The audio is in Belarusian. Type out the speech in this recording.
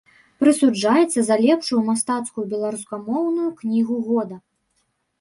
Прысуджаецца за лепшую мастацкую беларускамоўную кнігу года.